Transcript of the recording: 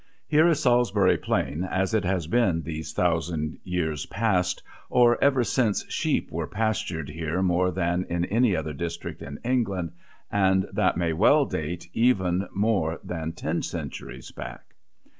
Here is Salisbury Plain as it has been these thousand years past, or ever since sheep were pastured here more than in any other district in England, and that may well date even more than ten centuries back.